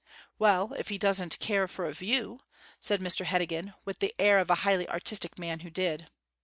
'Well, if he doesn't care for a view,' said Mr Heddegan, with the air of a highly artistic man who did.